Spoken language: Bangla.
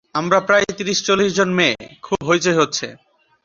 আমরা প্রায় ত্রিশ-চল্লিশ জন মেয়ে, খুব হৈচৈ হচ্ছে।